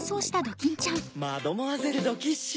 マドモアゼル・ドキッシュ